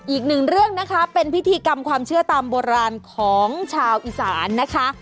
อีกหนึ่งเรื่องนะคะเป็นพิธีกรรมความเชื่อตามโบราณของชาวอีสานนะคะ